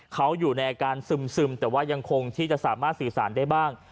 เขาอยู่ในอาการซึมแต่ว่ายังคงที่จะสามารถสื่อสารได้บ้าง